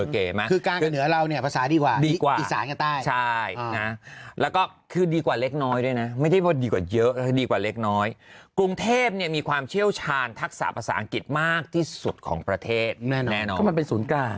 คือกลางกับเหนือเราเนี่ยภาษาดีกว่าดีกว่าอีสานกับใต้ใช่นะแล้วก็คือดีกว่าเล็กน้อยด้วยนะไม่ได้ว่าดีกว่าเยอะดีกว่าเล็กน้อยกรุงเทพเนี่ยมีความเชี่ยวชาญทักษะภาษาอังกฤษมากที่สุดของประเทศแน่นอนมันเป็นศูนย์กลาง